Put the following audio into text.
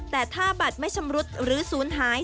แต่ถ้าบัตรไม่ชำรุดหรือศูนย์หาย